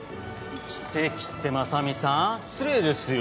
奇跡って真実さん失礼ですよ。